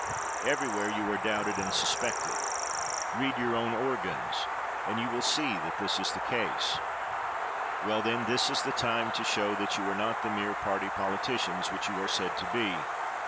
Everywhere you are doubted and sus pected. Read your own organs, and you will see that this is the case. Well, then, this is the time to show that you are not the mere party politicians which you are said to be.